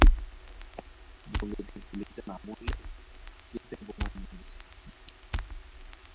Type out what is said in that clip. বন্দুকের গুলিতে না মরলে, কেসের বোমায় মরবে সে।